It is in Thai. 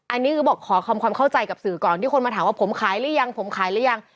อันนี้คือบอกขอคำความเข้าใจกับสื่อก่อนที่คนมาถามว่าผมขายหรือยังผมขายหรือยัง